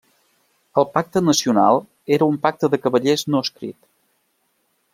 El Pacte Nacional era un pacte de cavallers no escrit.